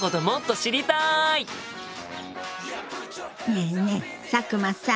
ねえねえ佐久間さん。